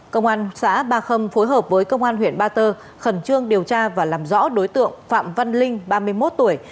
công an xã ba khâm phối hợp với công an huyện ba tơ khẩn trương điều tra và làm rõ đối tượng phạm văn linh ba mươi một tuổi